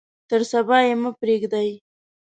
تر صبا یې مه پریږدئ.